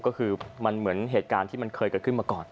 ก็คือมันเหมือนเหตุการณ์ที่มันเคยเกิดขึ้นมาก่อน